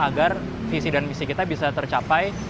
agar visi dan misi kita bisa tercapai